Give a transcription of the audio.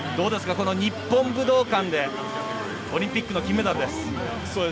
この日本武道館でオリンピックの金メダルです。